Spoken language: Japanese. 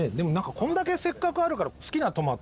こんだけせっかくあるから好きなトマトをね